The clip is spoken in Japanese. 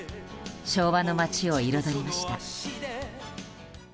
昭和の街を彩りました。